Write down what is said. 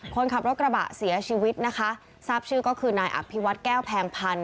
คนขับรถกระบะเสียชีวิตนะคะทราบชื่อก็คือนายอภิวัตแก้วแพงพันธ